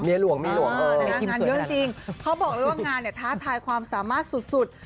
งานเยอะจริงเขาบอกเลยว่างานเนี่ยท้าทายความสามารถสุดสุด